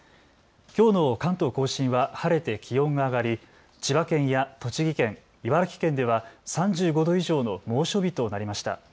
きょうの関東甲信は晴れて気温が上がり千葉県や栃木県、茨城県では３５度以上の猛暑日となりました。